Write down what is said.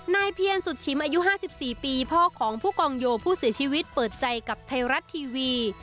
เพียรสุดชิมอายุ๕๔ปีพ่อของผู้กองโยผู้เสียชีวิตเปิดใจกับไทยรัฐทีวี